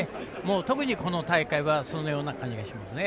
特に、この大会はそのような感じがしますね。